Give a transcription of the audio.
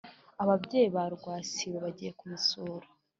ababyeyi ba rwasibo bagiye kumusura